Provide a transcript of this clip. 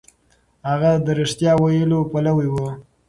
هغه د رښتيا ويلو پلوی و.